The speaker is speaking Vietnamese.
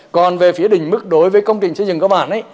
còn về phía đỉnh mức đối với công trình xây dựng các bản